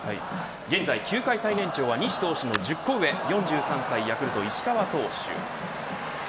現在球界最年長は西投手の１０個上４３歳、ヤクルト石川投手。